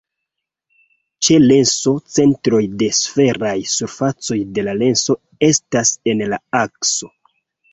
Ĉe lenso centroj de sferaj surfacoj de la lenso estas en la akso.